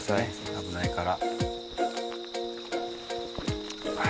危ないから。